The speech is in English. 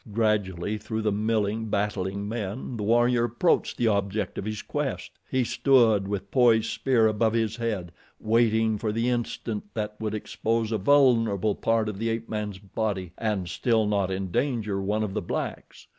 Gradually, through the milling, battling men, the warrior approached the object of his quest. He stood with poised spear above his head waiting for the instant that would expose a vulnerable part of the ape man's body and still not endanger one of the blacks.